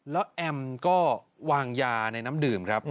แล้วแอมก็วางยาในน้ำดื่มครับ